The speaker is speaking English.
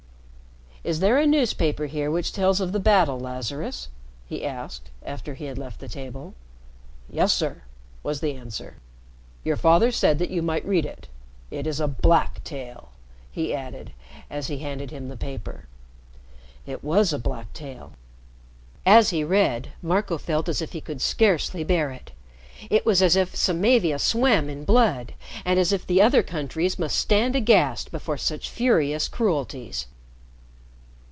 "Is there a newspaper here which tells of the battle, Lazarus?" he asked, after he had left the table. "Yes, sir," was the answer. "Your father said that you might read it. It is a black tale!" he added, as he handed him the paper. It was a black tale. As he read, Marco felt as if he could scarcely bear it. It was as if Samavia swam in blood, and as if the other countries must stand aghast before such furious cruelties.